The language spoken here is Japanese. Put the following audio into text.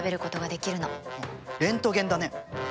レントゲンだね！